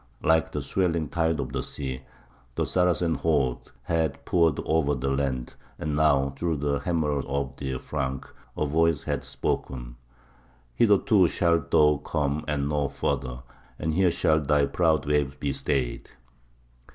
Like the swelling tide of the sea, the Saracen hordes had poured over the land; and now, through the Hammerer of the Franks, a voice had spoken: "Hitherto shalt thou come and no further, and here shall thy proud waves be stayed."